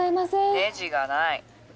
ネジがない。